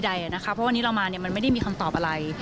เพราะวันนี้เรามาเนี่ยมันไม่ได้มีคำตอบอะไร